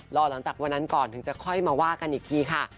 รอหลังจากวันนั้นก่อนถึงจะค่อยมาว่ากันอีกทีค่ะ